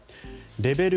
レベル